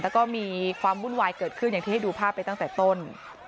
แล้วก็มีความวุ่นวายเกิดขึ้นอย่างที่ให้ดูภาพไปตั้งแต่ต้น